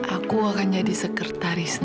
aku akan jadi sekretaris